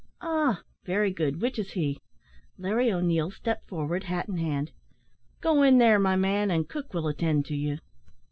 "Ah! very good; which is he?" Larry O'Neil stepped forward, hat in hand. "Go in there, my man, and cook will attend to you."